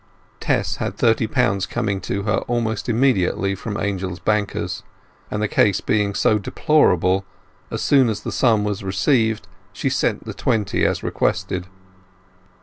Tess had thirty pounds coming to her almost immediately from Angel's bankers, and, the case being so deplorable, as soon as the sum was received she sent the twenty as requested.